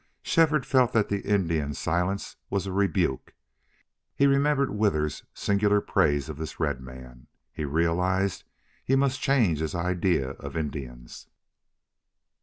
Shefford felt that the Indian's silence was a rebuke. He remembered Withers's singular praise of this red man. He realized he must change his idea of Indians.